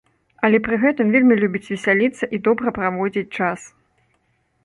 Але пры гэтым вельмі любіць весяліцца і добра праводзіць час.